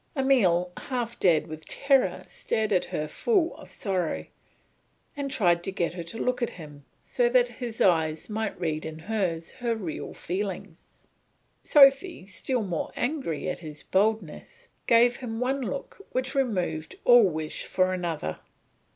Emile half dead with terror stared at her full of sorrow, and tried to get her to look at him so that his eyes might read in hers her real feelings. Sophy, still more angry at his boldness, gave him one look which removed all wish for another.